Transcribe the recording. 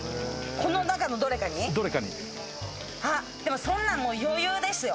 この中のどれかにそんなん余裕ですよ。